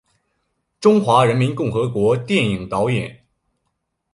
中华人民共和国电影导演。